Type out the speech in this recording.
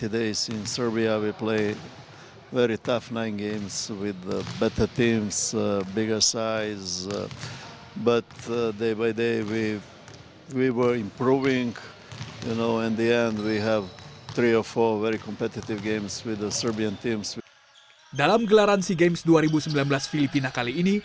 di peransi games dua ribu sembilan belas filipina kali ini